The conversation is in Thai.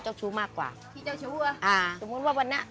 คิกคิกคิกคิกคิกคิกคิกคิก